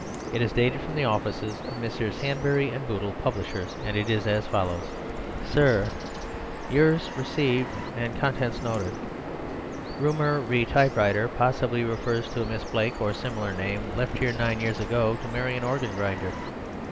It is dated from the offices of Messrs. Hanbury and Bootle, publishers, and is as follows:— "Sir,—Yrs. rcd. and conts. noted. Rumour re typewriter possibly refers to a Miss Blake or similar name, left here nine years ago to marry an organ grinder.